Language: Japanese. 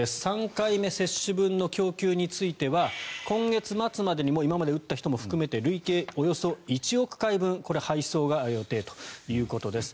３回目接種分の供給については今月末までに今まで打った人も含めて累計およそ１億回分配送が予定ということです。